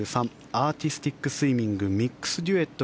アーティスティックスイミングミックスデュエット